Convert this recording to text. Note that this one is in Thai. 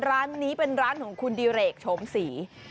ร้านนี้เป็นร้านของคุณดิเรกโฉมศรี